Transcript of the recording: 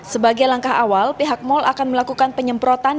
sebagai langkah awal pihak mal akan melakukan penyemprotan